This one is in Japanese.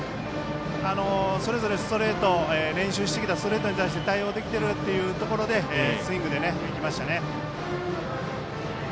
それぞれ練習してきたストレートに対して対応できてるというところでスイングで、いきましたね。